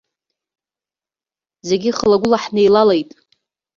Зегьы хылагәыла ҳнеилалеит.